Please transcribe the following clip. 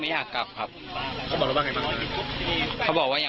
คำให้การในกอล์ฟนี่คือคำให้การในกอล์ฟนี่คือ